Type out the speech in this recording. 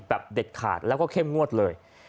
เด็ดขาดแล้วก็เข้มงวดเลย